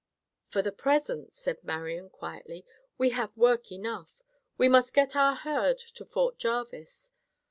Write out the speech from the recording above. "For the present," said Marian, quietly, "we have work enough. We must get our herd to Fort Jarvis.